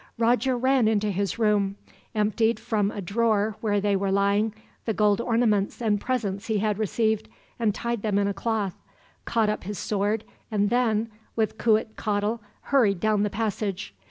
Roger ran into his room; emptied, from a drawer where they were lying, the gold ornaments and presents he had received, and tied them in a cloth; caught up his sword and then, with Cuitcatl, hurried down the passage.